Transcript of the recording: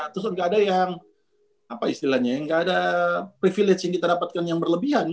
terus nggak ada yang apa istilahnya ya nggak ada privilege yang kita dapatkan yang berlebihan